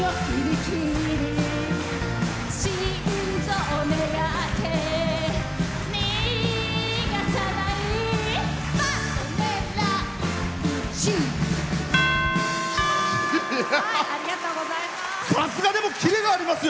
ありがとうございます。